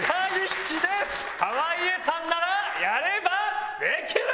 濱家さんならやればできる！